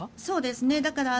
そうですね。